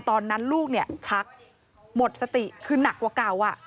ตอนนั้นลูกเนี่ยชักหมดสติคือหนักกว่าเก่า